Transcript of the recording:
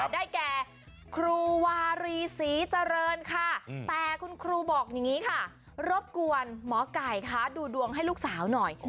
ได้แก่ครูวารีศรีเจริญค่ะแต่คุณครูบอกอย่างนี้ค่ะรบกวนหมอไก่คะดูดวงให้ลูกสาวหน่อย